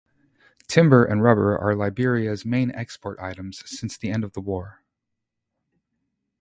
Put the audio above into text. Timber and rubber are Liberia's main export items since the end of the war.